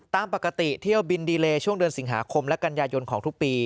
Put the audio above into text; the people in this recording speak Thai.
ตามปกติเที่ยวบินดีเลช่วงเดือนสิงหาคมและกันยายนของทุกปี